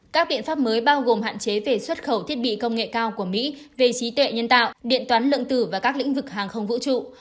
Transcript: các biện pháp mới bao gồm hạn chế về xuất khẩu thiết bị công nghệ cao của mỹ về trí tuệ nhân tạo điện toán lượng tử và các lĩnh vực hàng không vũ trụ